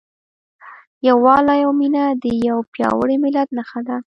یووالی او مینه د یو پیاوړي ملت نښه ده.